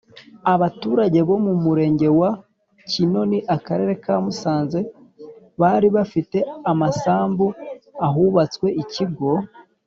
Abaturage Bo Mu Murenge Wa Kinoni Akarere Ka Musanze Bari Bafite Amasambu Ahubatswe Ikigo